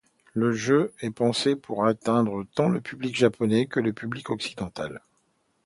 Le jeu est pensé pour atteindre tant le public japonais que le public occidental.